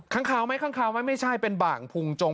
ขังขาวไหมไม่ใช่เป็นบางภูมิจง